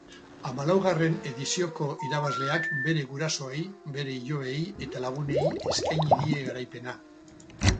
Hamalaugarren edizioko irabazleak bere gurasoei, bere ilobei eta lagunei eskaini die garaipena.